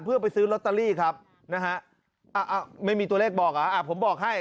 เพื่อไปซื้อลอตเตอรี่ครับนะฮะไม่มีตัวเลขบอกอ่ะผมบอกให้